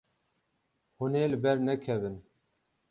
Hûn ê li ber nekevin.